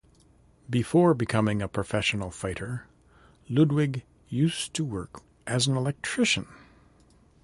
Before becoming a professional fighter, Ludwig used to work as an electrician.